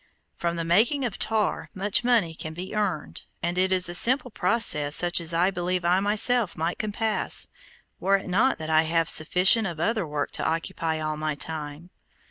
From the making of tar much money can be earned, and it is a simple process such as I believe I myself might compass, were it not that I have sufficient of other work to occupy all my time.